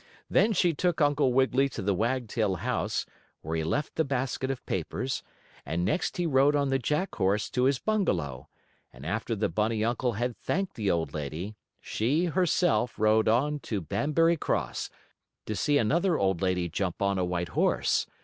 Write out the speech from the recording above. Then she took Uncle Wiggily to the Wagtail house, where he left the basket of papers, and next he rode on the Jack horse to his bungalow, and, after the bunny uncle had thanked the old lady, she, herself, rode on to Banbury Cross, to see another old lady jump on a white horse.